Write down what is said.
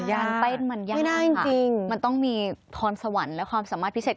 ยากไม่ได้จริงค่ะมันต้องมีทอนสวรรค์และความสามารถพิเศษ